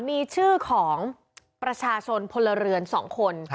มีชื่อของประชาชนพลเรือน๒คน